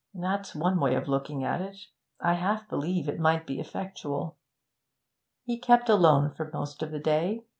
'That's one way of looking at it. I half believe it might be effectual.' He kept alone for most of the day.